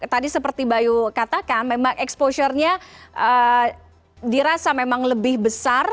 tadi seperti bayu katakan memang exposure nya dirasa memang lebih besar